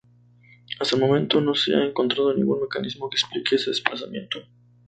Hasta el momento no se ha encontrado ningún mecanismo que explique este desplazamiento.